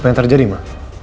apa yang terjadi ma